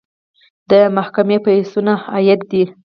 د محکمې فیسونه عاید دی